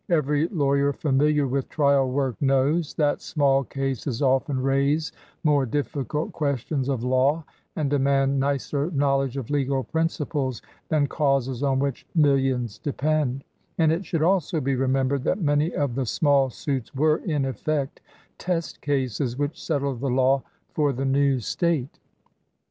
Every lawyer familiar with trial work knows that small cases often raise more difficult questions of law and demand nicer knowledge of legal principles than causes on which millions depend; and it should also be remembered that many of the small suits were, in effect, test cases which settled the law for the new State.